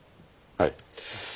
はい。